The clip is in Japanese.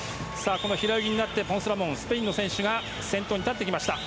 この平泳ぎになってポンス・ラモンが先頭に立ってきました。